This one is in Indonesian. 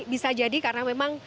bisa jadi karena memang